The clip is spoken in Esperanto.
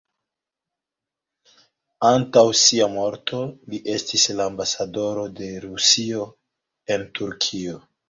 Antaŭ sia morto li estis la ambasadoro de Rusio en Turkio.